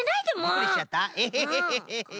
びっくりしちゃった？